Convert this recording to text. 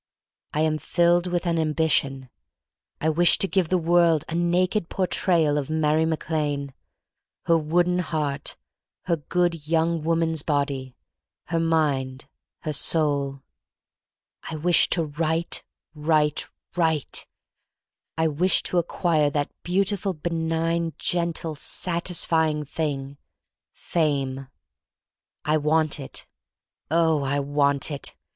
I am filled with an ambition. I wish to give to the world a naked Portrayal of Mary Mac Lane: her wooden heart, her good young woman's body, her mind, her soul. I wish to write, write, write! I wish to acquire that beautiful. 14 THE STORY OF MARY MAC LANE benign, gentle, satisfying thing — Fame. I want it — oh, I want it!